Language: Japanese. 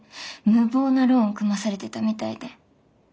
無謀なローン組まされてたみたいで。